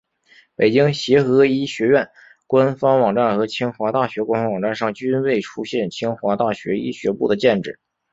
北京协和医学院官方网站和清华大学官方网站上均未出现清华大学医学部的建制。